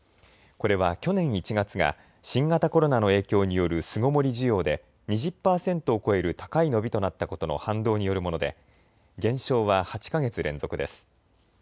これは去年１月が新型コロナの影響による巣ごもり需要で２０％を超える高い伸びとなったことの反動によるもので減少は８か月連続です。